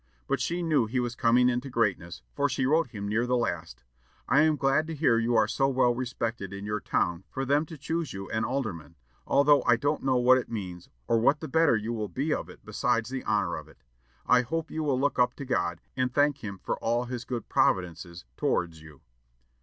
But she knew he was coming into greatness, for she wrote him near the last: "I am glad to hear you are so well respected in your town for them to choose you an alderman, although I don't know what it means, or what the better you will be of it besides the honor of it. I hope you will look up to God, and thank him for all his good providences towards you."